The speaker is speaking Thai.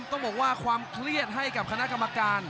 ต้องบอกว่าความเครียดให้กับคณะกรรมการ